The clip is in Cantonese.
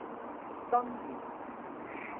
箴言